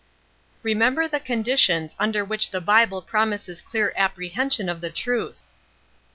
"Remember the conditions under which the Bible promise clear apprehension of the truth."